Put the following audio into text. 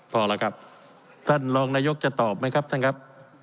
พอแล้วครับท่านรองนายกจะตอบไหมครับท่านครับ